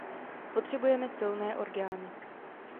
Potřebujeme silné orgány.